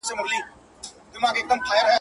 صرف و نحو دي ویلي که نه دي.